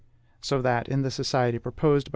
So that, in the society proposed by M.